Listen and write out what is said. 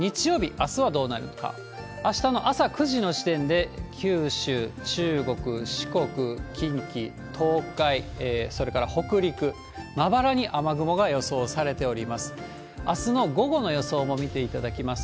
あしたの朝９時の時点で、九州、中国、四国、近畿、東海、それから北陸、まばらに雨雲が予想されております。